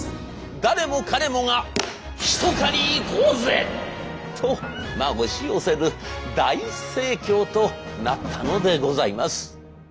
誰も彼もが「ひと狩り行こうぜ！」と押し寄せる大盛況となったのでございます。